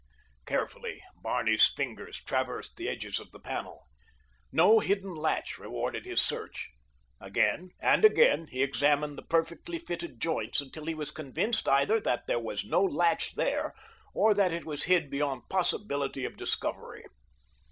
Carefully Barney's fingers traversed the edges of the panel. No hidden latch rewarded his search. Again and again he examined the perfectly fitted joints until he was convinced either that there was no latch there or that it was hid beyond possibility of discovery.